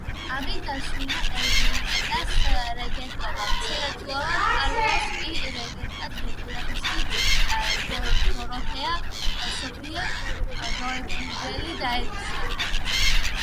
ამით დასრულდა ენრიკეტას რეგენტობა, მცირეწლოვან კარლოსს კი რეგენტად ბებიამისი, დოროთეა სოფია ნოიბურგელი დაენიშნა.